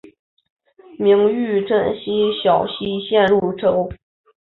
明玉珍省小溪县入州。